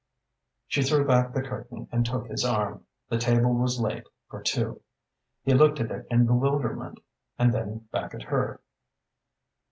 She threw back the curtain and took his arm. The table was laid for two. He looked at it in bewilderment and then back at her.